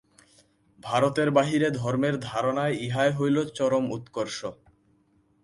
ভারতের বাহিরে ধর্মের ধারণায় ইহাই হইল চরম উৎকর্ষ।